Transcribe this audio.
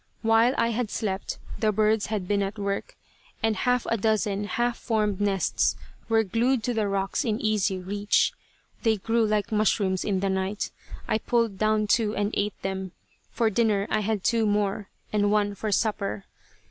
While I had slept, the birds had been at work, and half a dozen half formed nests were glued to the rocks in easy reach. They grew like mushrooms in the night. I pulled down two and ate them. For dinner I had two more, and one for supper.